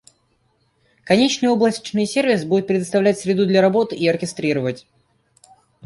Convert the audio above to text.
Конечный облачный сервис, будет предоставлять среду для работы и оркестрировать.